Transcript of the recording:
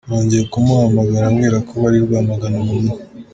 Nongeye kumuhamagara ambwira ko bari i Rwamagana mu mugi.